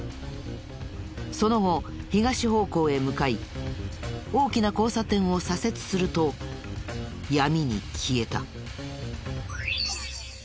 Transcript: その後東方向へ向かい大きな交差点を左折すると闇に消えた。